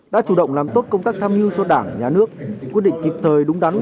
đã chủ động làm tốt công tác tham mưu cho đảng nhà nước quyết định kịp thời đúng đắn